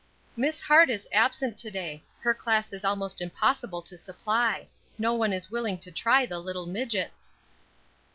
"Miss Hart is absent to day; her class is almost impossible to supply; no one is willing to try the little midgets."